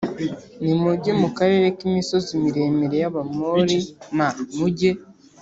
Nimujye mu karere k imisozi miremire y Abamori m mujye